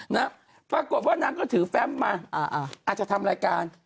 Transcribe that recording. นะปรากฏว่านางก็ถือแฟมมาอ่าอาจจะทำรายการ